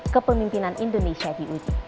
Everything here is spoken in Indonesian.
kepemimpinan indonesia di uji